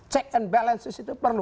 check and balances itu perlu